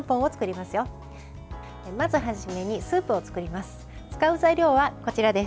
まず初めにスープを作ります。